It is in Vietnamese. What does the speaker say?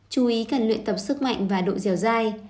chú ý cần luyện tập sức mạnh và độ dẻo dai